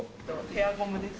ヘアゴムです。